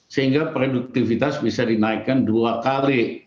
sehingga produktivitas bisa dinaikkan dua kali